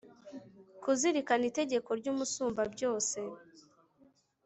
kuzirikana itegeko ry'umusumbabyose